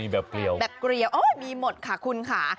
แบบเกลียวแบบเกลียวมีหมดค่ะคุณค่ะ